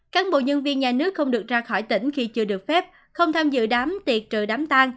các bộ nhân viên nhà nước không được ra khỏi tỉnh khi chưa được phép không tham dự đám tiệt trừ đám tan